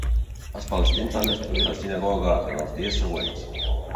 Els palestins van destruir la sinagoga en els dies següents.